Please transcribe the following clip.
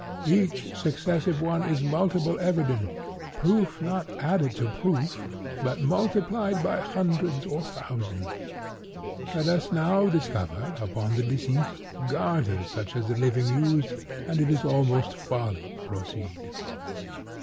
Each successive one is multiple evidence—proof not added to proof, but multiplied by hundreds or thousands. Let us now discover, upon the deceased, garters such as the living used, and it is almost folly to proceed.